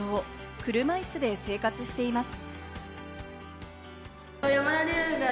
車いすで生活しています。